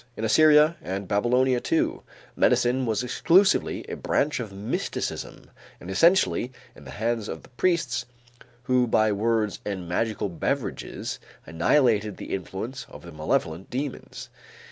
In Assyria and Babylonia, too, medicine was exclusively a branch of mysticism and essentially in the hands of the priests, who by words and magical beverages annihilated the influence of the malevolent demons.